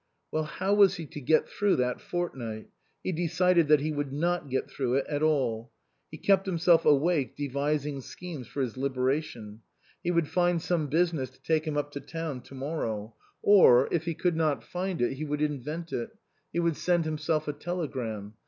Well, how was he to get through that fort night? He decided that he would not get through it at all. He kept himself awake devising schemes for his liberation ; he would find some business to take him up to town to morrow ; or, if 39 THE COSMOPOLITAN he could not find it, he would invent it ; he would send himself a telegram.